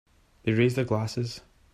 They raise their glasses.